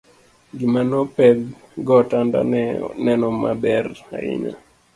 gima no pedh go otanda ne neno maber ahinya